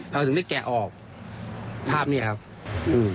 เราถึงได้แกะออกภาพเนี้ยครับอืม